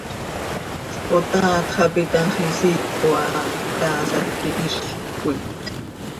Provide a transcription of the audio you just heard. Spotaat xah pi ta x, isiiho aha, taasaj quihizlc coi.